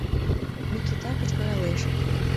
— Микита кычкыралеш.